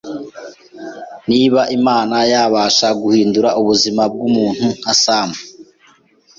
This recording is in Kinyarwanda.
niba Imana yabasha guhindura ubuzima bw’umuntu nka Sam,